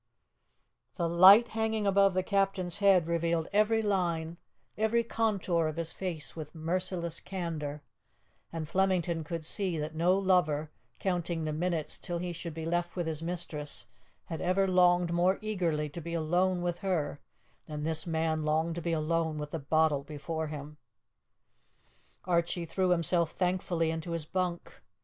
The light hanging above the captain's head revealed every line, every contour of his face with merciless candour; and Flemington could see that no lover, counting the minutes till he should be left with his mistress, had ever longed more eagerly to be alone with her than this man longed to be alone with the bottle before him. Archie threw himself thankfully into his bunk.